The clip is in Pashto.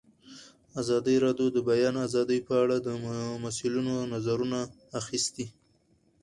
ازادي راډیو د د بیان آزادي په اړه د مسؤلینو نظرونه اخیستي.